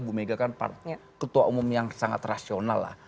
bu mega kan ketua umum yang sangat rasional lah